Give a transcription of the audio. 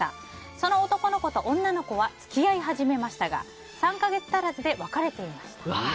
その男の子と女の子は付き合い始めましたが３か月足らずで別れていました。